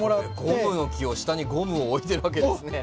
ゴムノキを下にゴムを置いてるわけですね！